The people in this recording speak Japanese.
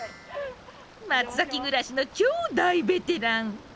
松崎暮らしの超大ベテラン！